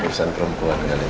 harusan perempuan kali ya